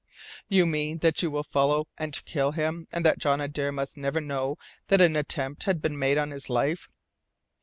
"You mean that you will follow and kill him and that John Adare must never know that an attempt has been made on his life?"